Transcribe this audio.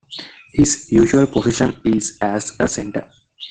His usual position is as a centre.